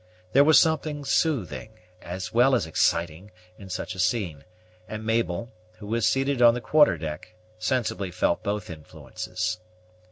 There was something soothing, as well as exciting, in such a scene; and Mabel, who was seated on the quarter deck, sensibly felt both influences.